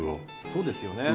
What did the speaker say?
そうですよね。